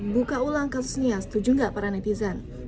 buka ulang kasusnya setuju nggak para netizen